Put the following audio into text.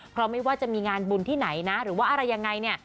เพราะไม่ว่าจะมีงานบุญที่ไหนนะหรือว่าอะไรยังไงเนี่ย